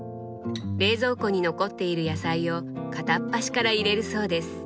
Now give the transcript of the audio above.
冷蔵庫に残っている野菜を片っ端から入れるそうです。